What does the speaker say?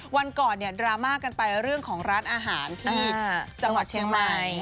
วันก่อนเนี่ยดราม่ากันไปเรื่องของร้านอาหารที่จังหวัดเชียงใหม่